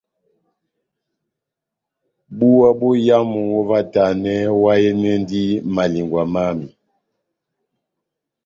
Búwa boyamu óvahtanɛ, oháyɛnɛndi malingwa mámi.